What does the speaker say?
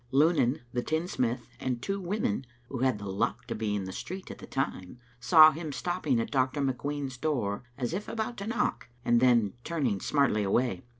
Lunan, the tinsmith, and two women, who had the luck to be in the street at the time, saw him stopping at Dr. McQueen's door, as if about to knock, and then turning smartly away.